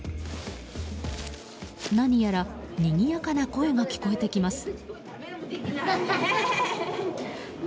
何やらにぎやかな声が聞こえてきます。